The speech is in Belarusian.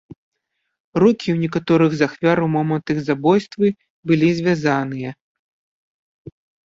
Рукі ў некаторых з ахвяр у момант іх забойствы былі звязаныя.